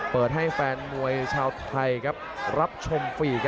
เปิดให้แฟนมวยชาวไทยรับชมฟรี